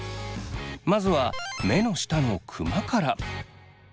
まずは目の下のクマから。